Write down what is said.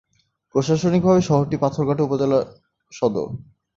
প্রশাসনিকভাবে শহরটি পাথরঘাটা উপজেলার সদর।